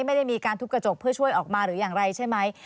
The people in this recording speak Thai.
ไม่ได้มีการทุบกระจกเพื่อช่วยออกมาหรืออย่างไรใช่ไหม